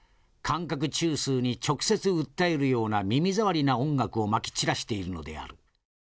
感覚中枢に直接訴えるような耳障りな音楽をまき散らしているのである。